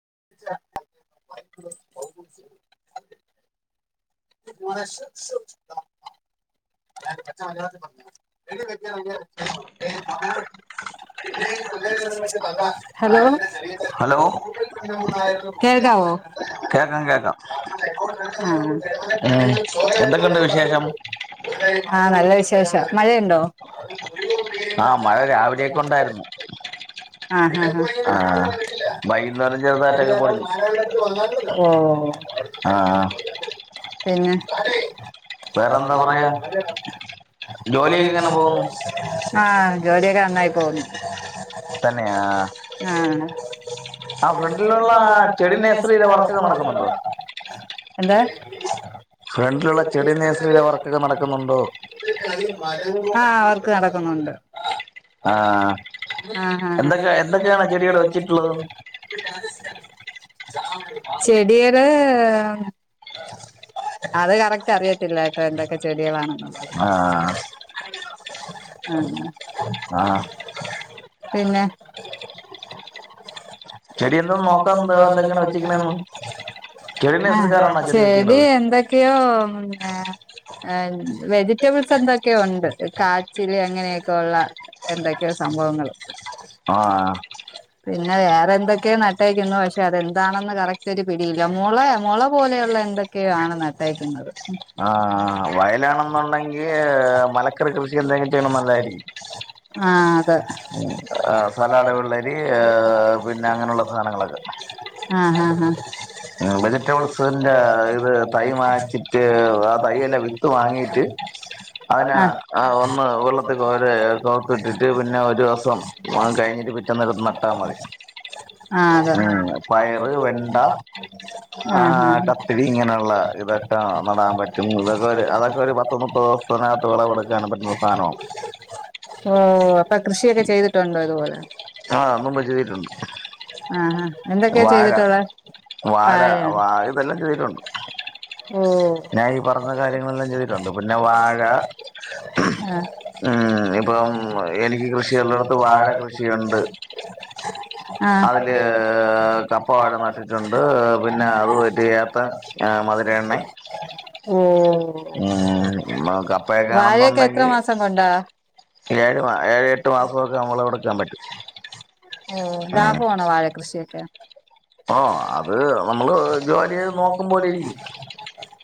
[inaudible] [unintelligible] അയിൽ വെക്കാൻ അറിയുല ഇ പിള്ളേർ [unintelligible] തൻദ എന്റെ ശരീരത്ത് [unintelligible] ഹലോ കേൾക്കവേ [unintelligible] കേൾക്കൻ കേക്കാം രാത്രി കളിക്കുമ്പോ [unintelligible] അ ഫ്രണ്ടിന്റെ ചോര [unintelligible] എന്ധെലും പറയാൻ നിക്കണ്ട പറയാൻ [unintelligible] ആ നല്ല വിശേഷം മഴയുണ്ടോ ആ മഴ രാവിലെയൊക്ക ഉണ്ടായിരുന്നു ആ ആ അ [unintelligible] ഓ ആ പിന്നെ [unintelligible] വേറെന്താ പറയാ ജോലി ഒക്കെ യെങ്ങനെ പൊന്നു ജോലിയൊക്കെ നന്നായി പോകുന്നു ആ [unintelligible] എന്താ [unintelligible] ആഅവർക്ക് നടക്കുന്നുണ്ട് ആ [inaudible] ചെടികൾ അത് കറക്റ്റ് അറിയത്തില്ല ഏട്ടോ എന്തൊക്കെ ചൊടികളാണ് ആ ആ ആ പിന്നെ ഇന്ന് മൊത്തം വേന്തൊക്ക വച്ചിട്ടണ്ട [unintelligible] ആ ചെടി എന്തൊക്കെയോ ആ വെജിറ്റബിൾസ് എന്തൊക്കെയ ഉണ്ട് കാച്ചിൽ അങ്ങനെയൊക്കെയ ഉള്ള എന്തൊക്കെയാണ് സംഭവങ്ങൾ ആ പിന്നെ വേറെ എന്തൊക്കെയോ നട്ടേക്കുന്നു പക്ഷെ അതെന്താണെന്ന് കറക്റ്റ് ഒരു പിടില്ല മൊളയ മൊള പോലെയ ലെഎന്തൊക്കെയോ ആണ് നട് നട്ടേക്കുന്നത് [unintelligible] ആ അതെ സലാഡ് വെള്ളരി പിന്നെ അങ്ങനെയുള്ള സാനങ്ങളൊക്കെ ആ ഉം വെജിറ്റബിൾസ്ന്റെ ഇത് തൈ വാങ്ച്ചിട്ട് ആ തൈലെ വിത്ത് വാങ്ങിട്ട് അതിനെ അ ഒന്ന് വെള്ളത്തിൽ കോര കോർത്തിട്ടിട്ട് പിന്നെ ഒരുസം കഴിഞ്ഞിട്ട് പിറ്റന്നെടുത്ത് നട്ടാ മതി മം പയറ് വെണ്ട [inaudible] ആ കത്തിരി ഇങ്ങനെയുള്ള ഇതൊക്കെ നടാൻ പറ്റും ഇതൊക്കെ അതൊക്കെ ഒരു പത്ത് മുപ്പതുസം ഇതിനകത്തൂടെ കൊടുക്കാനും പറ്റുന്ന സാനോ ഓ അപ്പൊ കൃഷിയൊക്കെ ചെയ്തിട്ടുണ്ടോ ഇതുപോലെ ആ മുമ്പ് ചെയ്തിട്ടുണ്ട് വാഴ വാഴ വാ ഇതെല്ലാം ചെയ്തിട്ടുണ്ട് ഞാൻ ഈ പറഞ്ഞ കാര്യങ്ങളെല്ലാം ചെയ്തിട്ടുണ്ട് പിന്നെ വാഴ മം ഇപ്പം എനിക്ക് കൃഷ ആ ഉം [inaudible] വാഴക്കെ എത്ര മാസം കൊണ്ടാ ഏഴ് മാ ഏഴ് എട്ട് മാസമൊക്കെ നമ്മളവിടെ കണക്ക് ഓ ലാഭമാണോ വാഴ കൃഷിയൊക്കെ ആ അത് നമ്മള് ജോലിയ്ത് നോക്കുംപോലെ ഇരിക്കും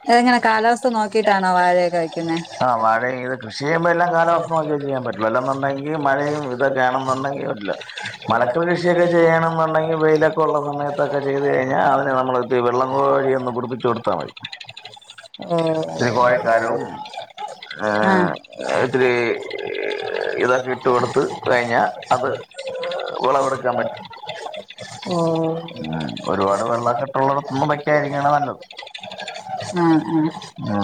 അതെങ്ങനെ കാലാവസ്ഥ നോക്കിട്ടാണോ വാഴയൊക്കെ വെക്കുന്നേ ആ വാഴയെങ്കില് കൃഷി ചെയ്യുമ്പോ എല്ലാം കാലസ്ഥ നോക്കിയേ ചെയ്യാൻ പറ്റൂള്ളൂ അല്ലെന്നുണ്ടെങ്കി ങ്കീ മഴയും ഇതൊക്കെയാണെന്നുണ്ടെങ്കിൽ പറ്റില്ല മഴക്ക് കൃഷിയൊക്കെ ചെയണംന്നുണ്ടെങ്കിൽ വെയിലൊക്കെ ഉള്ള സമയ ത്തൊക്കെ ചെയ്ത് കഴിഞ്ഞാ അതിനെ നമ്മളത്തിരിവെള്ളം കോരിയൊന്ന് പിടിപ്പിച്ച് കൊടുത്താൽ മതി [inaudible] ഇത്തിരി കോഴിക്കാരവും എ് ഇത്തിരി ഇതൊക്കെ ഇട്ട് കൊടുത്ത് കഴിഞ്ഞാ അത് വിളവെടുക്കാൻ പറ്റും പിന്നെ ഒരുപാട് വെള്ള കെട്ടുള്ളിടത്തൊന്നും വെക്കായിരിക്കാണ് നല്ലത് ആ ആ ആ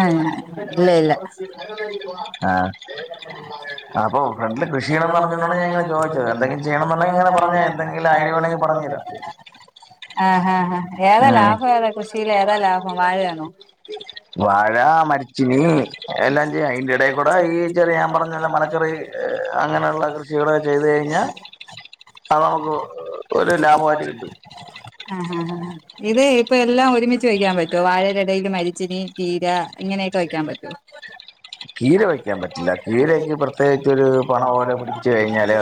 ആങ്ങ [inaudible] ഇല്ല ഇല്ല [inaudible] [unintelligible] [unintelligible] ആഹ് ആ ആ ഏതാ ലാഭം ഏതാ കൃഷിയില് ഏതാ ലാഭം വാഴയാണോ ആഹ് മരിച്ചിനാണ് എല്ലാം ചെയ്യ അയിൻ്റെടേൽ കൂടെ ഈ ചെറിയ ഞാൻ പറഞ്ഞപോലെ മലക്കറി അ അങ്ങനെയുള്ള കൃഷികള് ചെയ്ത് കഴിഞ്ഞാ അത് നമുക്ക് ഒരു ലാഭമായിട്ട് കിട്ടും ആ ഇത് ഇപ്പ എല്ലാം ഒരുമിച്ച് വയ്ക്കാൻ പറ്റോ വാഴേടെ ഇടേല് മരിച്ചിനി ചീര അങ്ങനെക്കെ വെയ്ക്കാൻ പറ്റോ [unintelligible]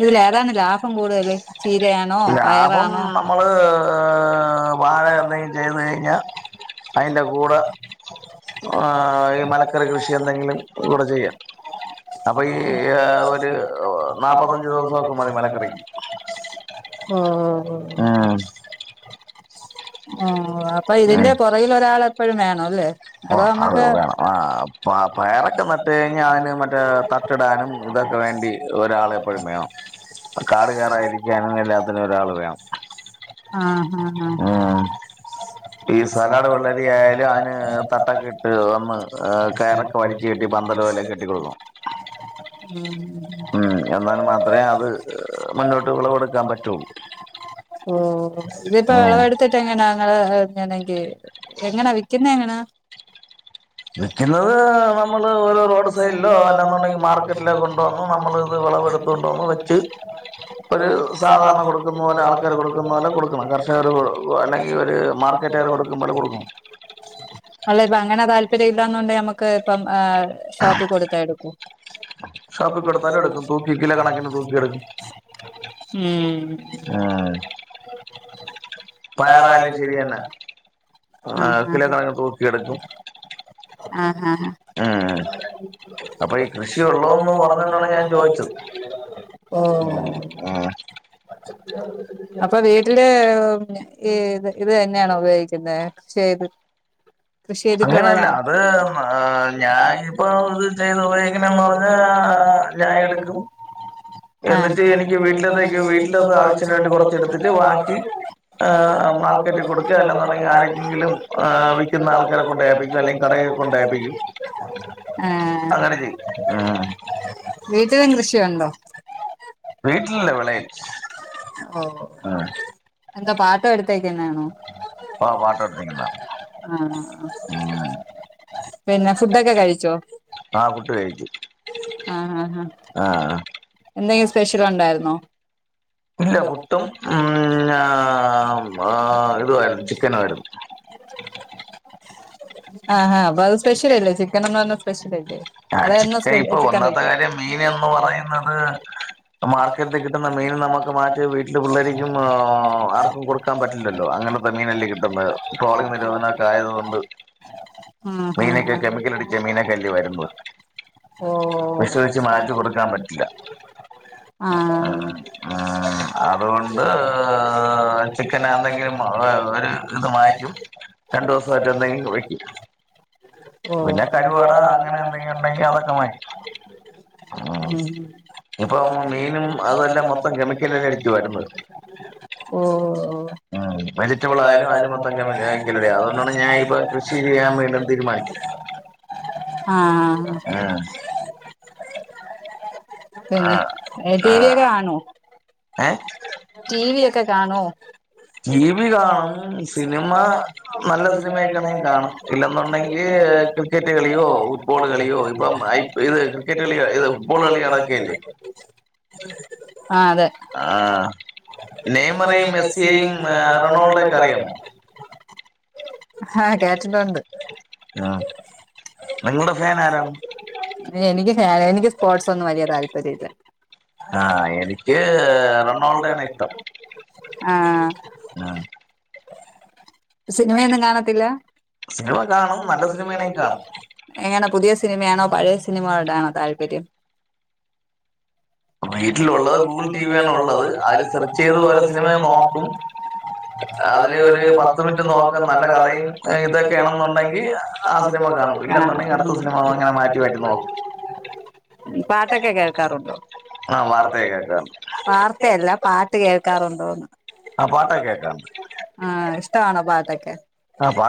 ഇതിലേതാണ് ലാഭം കൂടുല് ചീരയാണോ പയറാണോ അയിൻ്റെ കൂടെ ആഹ് [unintelligible] അപ്പയി [unintelligible] ഒരു നാല്പ്പത്തഞ്ച് ദിവസൊക്കെ [unintelligible] ഓ ഓ ഓ ഓ അപ്പൊ ഇതിന്റെ ഓ അത് വേണം ആ പയറൊക്കെ നട്ട് കഴിഞ്ഞാൽ അതിന് മറ്റേ തട്ടിടാനും ഇതൊക്കെ വേണ്ടി ഒരാളെപ്പോഴും വേണം കാടുകയറാതിരിക്കാനും എല്ലാത്തിനും ഒരാള് വേണം ആ ആ ആ സലാഡ് വെള്ളരി ആയാലും അതിന് തട്ടക്കെ ഇട്ട് വന്ന് കയറൊക്കെ വലിച്ച് കെട്ടി പന്തല് പോലൊക്കെ കെട്ടി കൊടുക്കണം ഉം ഉം എന്നാൽ മാത്രമേ അത് മുന്നോട്ട് വിളവ് എടുക്കാൻ പറ്റുള്ളു ഓ ഇതിപ്പോ വിളവെടുത്തിട്ട് എങ്ങനെയാ നിങ്ങ ൾ എങ്ങനാ വിൽക്കുന്ന എങ്ങനാ ഇത് നമ്മൾ റോഡ് സൈഡിലോ അതല്ലെന്ന് ഉണ്ടെങ്കിൽ മാർക്കറ്റിലോ കൊണ്ടു [unintelligible] [unintelligible] അല്ല ഇപ്പൊഅങ്ങനെ താല്പര്യ ഇല്ലന്നുണ്ടെ നമുക്ക് ഇപ്പം ഷോപ്പിൽ കൊടുത്ത എടുക്കോ ഉം വേറെ ആള വെച്ച് ചെയ്യാന ആ കിലോ കണക്കിന് തൂക്കി എടുക്കും ആ ആ ആ ആ കൃഷി ഉണ്ടന്ന് പറഞ്ഞോണ്ട് ആണ് ഞാൻ ചോദിച്ചത് ഓ അപ്പൊ വീട്ടില് ഈ ഇത് തന്നെയാണോ ഉപയോഗിക്കുന്ന കൃഷി ചെയ്തു കൃഷി ചെയ്തിട്ടുള്ളതാണ് ആ ഞാൻ എടുക്കും എനിക്ക് വീട്ടി വീട്ടിലേക്ക് ആവശ്യമുള്ള കൊടുത്തു വിട്ടിട്ട് [unintelligible] [unintelligible] വീട്ടിലും കൃഷിയുണ്ടോ ഓ എന്താ പാട്ടം എടു ക്കുന്ന ആണോ ആണ് പിന്നെ ഫുഡൊക്കെ കഴിച്ചോ ആ ആ ആ എന്തെങ്കിലും സ്പെഷ്യല് ഉണ്ടായിരുന്നോ ഇല്ല മൊത്തം ആ ആ [unintelligible] ആ ആ അപ്പൊ അത് സ്പെഷ്യൽ അല്ലേ ചിക്കനന്ന് പറഞ്ഞ സ്പെഷ്യൽ അല്ലേ അതോ എന്നും ചിക്കൻ കഴിക്കോ [unintelligible] [inaudible] ഉം ഹ ഹ ഓ ഓ ആ [unintelligible] രണ്ട് ദിവസായിട്ട് ഓ അപ്പൊ മീനും അതല്ലാം [unintelligible] ഓ [unintelligible] ആ പിന്നെ ടി വി ഒക്കെ കാണോ ടി വി ഒക്കെ കാണോ സിന നല്ല സിനമ ആട്ട [unintelligible] ോടുകള കൂടുുകള [unintelligible] ആഹ അതെ ആ നെയ്മറയും മെസ്സിയയും റൊണാൾഡോ ഒക്കെ അറിയണംോ ആഹ കേട്ടിട്ടുണ്ട് [unintelligible] എനിക്ക് എനിക്ക് സ്പോർട്സ് ഒന്നും വലിയ താല്പര്യ ഇല്ല ആഹ എനിക്ക് റൊണാൾഡ ആാണ് ഇഷ്ടം ആഹ സിനിമയൊന്നും കാണത്തില്ല എങ്ങനാ പുതിയ സിനിമയാണോ പഴയ സിനിമടാണോ താല്പര്യം [unintelligible] ീട്ടിലുള്ളത് ഗൂഗിൾ ടി വി ആന്ന ഉള്ളത് അര് സെർച്ച് ചെയ്ത് പോര സിനിമ നോക്കും അതില് ഒരു പത്ത് മിനിറ്റ് നോക്കൻ നല്ല കഥയും ഇതൊക്കെയണെന്നുണ്ടെങ്കിൽ ആ സിനിമ കാണും മാറ്റ [unintelligible] ൊക്കെ കേൾക്കാറുണ്ടോ വാർത്തയല്ല പാട്ട് കേൾക്കാറുണ്ടോന്ന് ആ പാട്ടൊക്കെ കേക്കാറുണ്ട് ആഹ ഇഷ്ടമാണോ പാട്ടൊക്കെ ആപ്പാ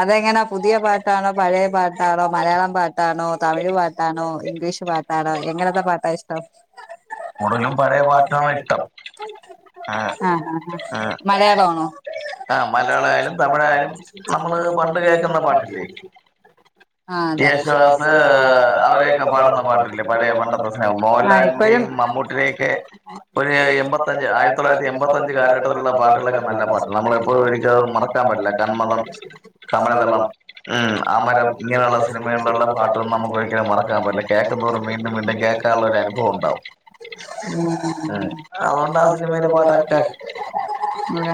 അതെങ്ങനാ പുതിയ പാട്ടാണോ പഴയ പാട്ടാണോ മലയാളം പാട്ടാണോ തമിഴ് പാട്ടാണോ ഇംഗ്ലീഷ് പാട്ടാണോ എങ്ങനെത്തെ പാട്ടാ ഇഷ്ടം ഇും പഴ ഭക്ഷണങ്ങ ഇഷ്ടോ [unintelligible] ആഹ ആ മലയാള ആണോ ആ മലയാളയാലും തമിഴായാലും നമ്മള് പണ്ട് കേൾക്കുന്ന പാട്ട [unintelligible] ആശവാസ് അവര്ക്ക പാടത്തെ പ [unintelligible] പഴയ പ ൂില ഒരു എൺപത്ത ആയിര [unintelligible] എൺപത്തഞ്ച് കാലടറുള്ള പാട്ടുകളൊക്കെ നട്ടാൻ പറ്റില്ല നമ്മളപ്പോും മറക്കാൻ പറ്റില്ല കാര സമയതല്ല ഉ ആന ഇങ്ങനെയുള്ള സാൊക്കെ മറക്ക കേ വീണ്ടും വീണ്ടും കേൾക്കാനുള്ള ഒരു അനുഭവം ഉണ്ടാവും ഉ അതന്ത അപട്ക്ക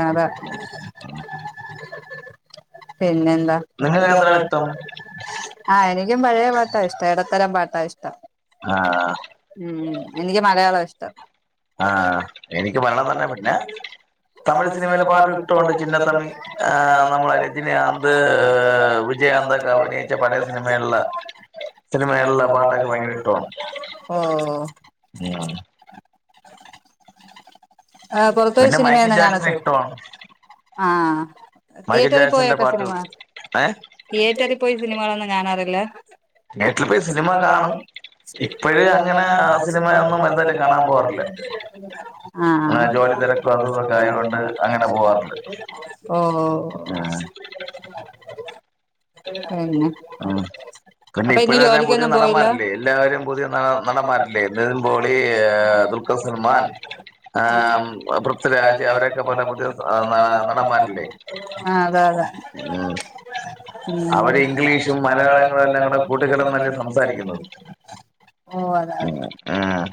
അതെ പിന്നെ ആഹ എനിക്കും പഴയ പാട്ടാ ഇഷ്ടം ഇടത്തരം പാട്ടാ ഇഷ്ടം ഉം എനിക്ക് മകയാളം ഇഷ്ടം ആഹ എനിക്ക് വരണം തന്നെ പിന്ന തമിഴ് സിനിമയിലെ പാട്ടും ഇഷ്ടമുണ്ട് ചിന്നത്തമ്മി ആ് നമ്മള രചനാന്ത് വിജയ [unintelligible] അഭിനയിച്ച പഴയ സിനിമയുള്ള സിനിമയിലുള്ള പാട്ടൊക്കെ ഭയങ്കര ഇഷ്ടാണ് ഉം അ [unintelligible] ആ പൊറത്ത് പോയി സിനിമ [unintelligible] ആഹ് മൈക്കിൾ ജാസന്റെ പാട്ട് ഏ തീയേറ്ററിൽപ്പോയി സിനിമ കാണും ഇപ്പൊഴ് അങ്ങനെ ആ സിനിമ [unintelligible] കാണാൻ പോവാറില്ല ആ ഓ ആഹ് [inaudible] അപ്പൊ ഇന്ന് ജോലിക്കൊന്നും പോയില്ല [unintelligible] ആഹ് അതെ അതെ അവര് ഈ ഇംഗ്ലീഷും മലയാളങ്ങളും എല്ലാം കൂടെ കൂട്ടുകെടന്നാന് സംസാരിക്കുന്നെ ആഹ്